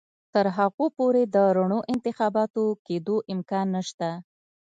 تر هغو پورې د رڼو انتخاباتو کېدو امکان نشته.